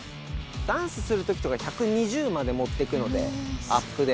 ダンスするときとか、１２０までもっていくので、アップで。